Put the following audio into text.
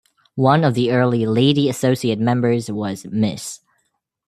One of the early Lady Associate Members was Miss.